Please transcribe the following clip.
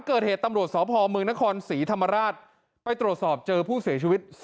เกิดเหตุตำรวจสภมคนสหรรษไปตรวจสอบเจอผู้เสียชีวิต